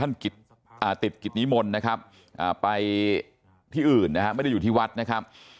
ติดกิจนิมนต์นะครับไปที่อื่นนะฮะไม่ได้อยู่ที่วัดนะครับ